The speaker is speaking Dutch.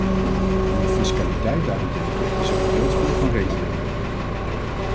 In de fiscaliteit daarentegen is er een wildgroei van regelingen.